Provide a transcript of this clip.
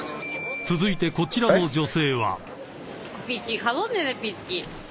［続いてこちらの女性は］